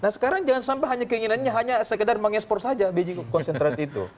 nah sekarang jangan sampai hanya keinginannya hanya sekedar mengekspor saja biji konsentrat itu